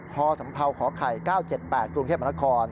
พสัมภาวขไข่๙๗๘กรุงเทพมค